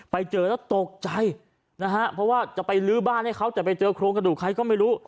ไปเจอแล้วตกใจนะฮะเพราะว่าจะไปลื้อบ้านให้เขาแต่ไปเจอโครงกระดูกใครก็ไม่รู้